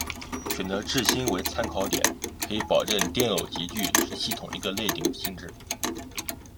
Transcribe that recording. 选择质心为参考点可以保证电偶极矩是系统的一个内禀性质。